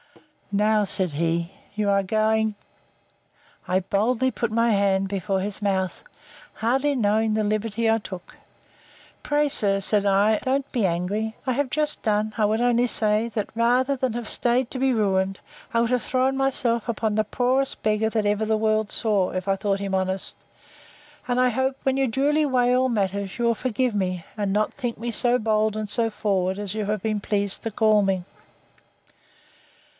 Now, said he, you are going—I boldly put my hand before his mouth, hardly knowing the liberty I took: Pray, sir, said I, don't be angry; I have just done—I would only say, that rather than have staid to be ruined, I would have thrown myself upon the poorest beggar that ever the world saw, if I thought him honest.—And I hope, when you duly weigh all matters, you will forgive me, and not think me so bold, and so forward, as you have been pleased to call me.